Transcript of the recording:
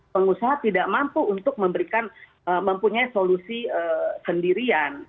pengusaha tidak mampu untuk memberikan mempunyai solusi sendirian